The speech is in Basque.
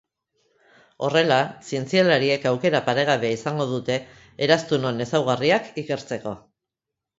Horrela, zientzialariek aukera paregabea izango dute eraztunon ezaugarriak ikertzeko.